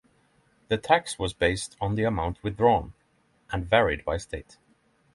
The tax was based on the amount withdrawn, and varied by state.